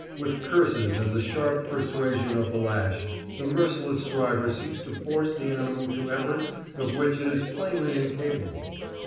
With curses and the sharp persuasion of the lash, the merciless driver seeks to force the animal to efforts of which it is plainly incapable.